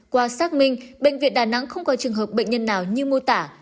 qua xác minh bệnh viện đà nẵng không có trường hợp bệnh nhân nào như mô tả